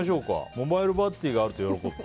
モバイルバッテリーがあると喜ぶ。